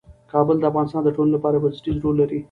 کابل د افغانستان د ټولنې لپاره یو بنسټيز رول لري.